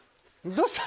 どうした？